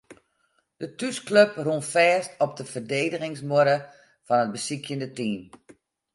De thúsklup rûn fêst op de ferdigeningsmuorre fan it besykjende team.